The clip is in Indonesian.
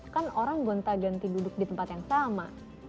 kan orang gonta ganti duduk di tempat yang sama